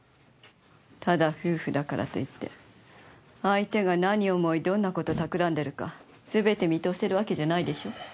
ただ夫婦だからといって相手が何を思いどんな事を企んでるかすべて見通せるわけじゃないでしょ？